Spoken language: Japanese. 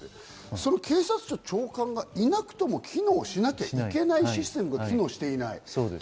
警察庁長官がいなくても機能しなきゃいけないシステムが機能していない。